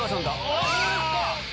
あっ！